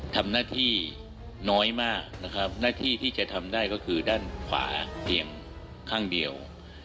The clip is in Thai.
ทำหน้าที่น้อยมากนะครับหน้าที่ที่จะทำได้ก็คือด้านขวาเพียงข้างเดียว